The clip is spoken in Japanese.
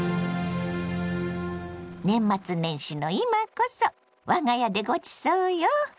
年末年始の今こそ我が家でごちそうよ。